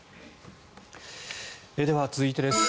では、続いてです。